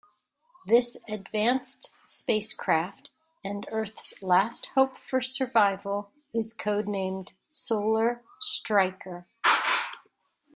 This advanced spacecraft, and Earth's last hope for survival, is code-named 'Solar Striker'.